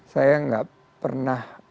saya enggak pernah